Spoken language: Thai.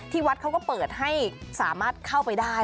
วัดเขาก็เปิดให้สามารถเข้าไปได้